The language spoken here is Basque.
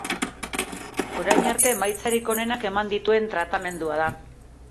Orain arte emaitzarik onenak eman dituen tratamendua da.